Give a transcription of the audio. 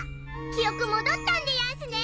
記憶戻ったんでやんすね。